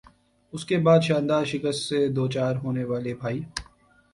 اس کے بعد "شاندار"شکست سے دوچار ہونے والے بھائی